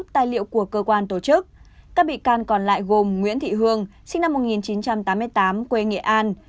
tài liệu của cơ quan tổ chức các bị can còn lại gồm nguyễn thị hương sinh năm một nghìn chín trăm tám mươi tám quê nghệ an